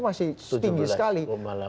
masih tinggi sekali